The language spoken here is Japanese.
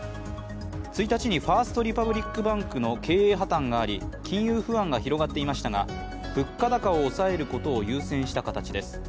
１日にファースト・リパブリック・バンクの経営破綻があり金融不安が広がっていましたが物価高を抑えることを優先した形です。